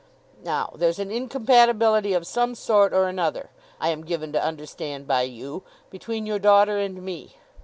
Now, there's an incompatibility of some sort or another, I am given to understand by you, between your daughter and me.